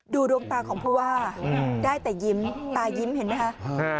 ดวงตาของผู้ว่าได้แต่ยิ้มตายิ้มเห็นไหมคะ